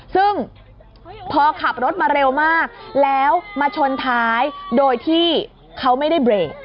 ซึ่งพอขับรถมาเร็วมากแล้วมาชนท้ายโดยที่เขาไม่ได้เบรก